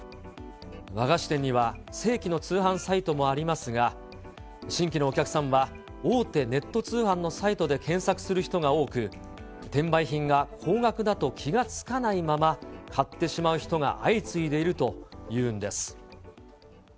和菓子店には、正規の通販サイトもありますが、新規のお客さんは大手ネット通販のサイトで検索する人が多く、転売品が高額だと気が付かないまま、買ってしまう人が相次いでいるというんです。